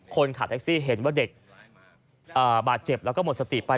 คนขับแท็กซี่เห็นว่าเด็กบาดเจ็บแล้วก็หมดสติไป